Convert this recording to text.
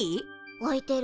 置いてる？